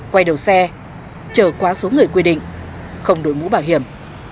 quay đầu xe chở qua số người quy định không đối mũ bảo hiểm